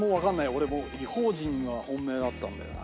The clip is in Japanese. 俺もう『異邦人』が本命だったんだよな。